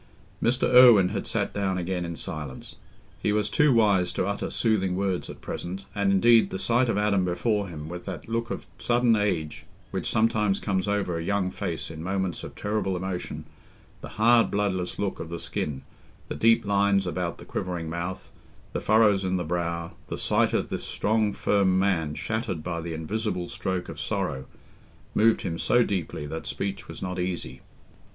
Mr. Irwine had sat down again in silence. He was too wise to utter soothing words at present, and indeed, the sight of Adam before him, with that look of sudden age which sometimes comes over a young face in moments of terrible emotion—the hard bloodless look of the skin, the deep lines about the quivering mouth, the furrows in the brow—the sight of this strong firm man shattered by the invisible stroke of sorrow, moved him so deeply that speech was not easy.